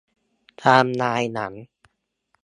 ไทม์ไลน์หนัง